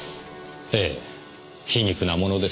ええ皮肉なものですねぇ。